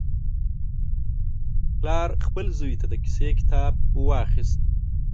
پلار خپل زوی ته د کیسې کتاب واخیست.